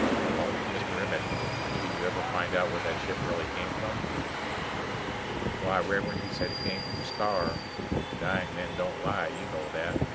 All? Mr. Emmett, didn't you ever find out where that ship really came from? Why, Rev'rend, he said it come from a star. Dying men don't lie, you know that.